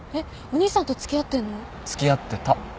お兄さんと付き合ってんの？付き合ってた。